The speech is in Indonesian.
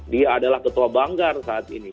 dia adalah ketua banggar saat ini